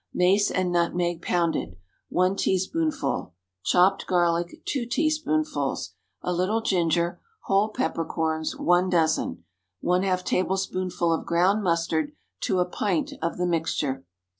Mace and nutmeg pounded, 1 teaspoonful. Chopped garlic, 2 teaspoonfuls. A little ginger. Whole pepper corns, 1 dozen. ½ tablespoonful of ground mustard to a pint of the mixture.